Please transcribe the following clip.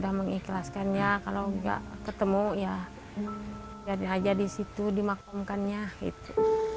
dan mengikhlaskan ya kalau nggak ketemu ya jadi aja disitu dimaklumkannya itu